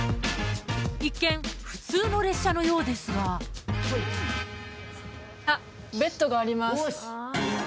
一見普通の列車のようですがあっベッドがあります